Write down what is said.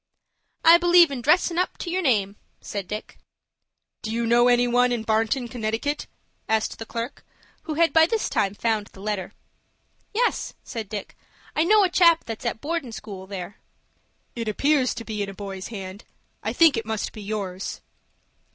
"I believe in dressin' up to your name," said Dick. "Do you know any one in Barnton, Connecticut?" asked the clerk, who had by this time found the letter. "Yes," said Dick. "I know a chap that's at boardin' school there." "It appears to be in a boy's hand. I think it must be yours."